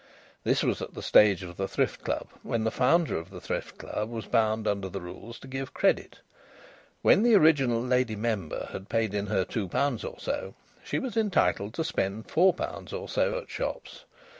This was at the stage of the Thrift Club when the founder of the Thrift Club was bound under the rules to give credit. When the original lady member had paid in her two pounds or so, she was entitled to spend four pounds or so at shops.